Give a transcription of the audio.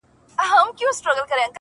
کلی رخصت اخلي ه ښاريه ماتېږي;